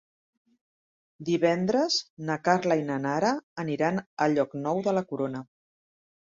Divendres na Carla i na Nara aniran a Llocnou de la Corona.